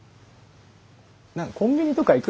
何かコンビニとか行く？